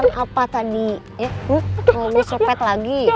manten istrinya pak nino